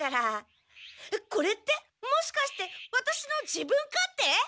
これってもしかしてワタシの自分勝手？